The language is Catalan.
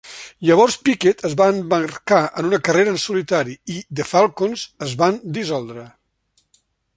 Llavors Pickett es va embarcar en una carrera en solitari i The Falcons es van dissoldre.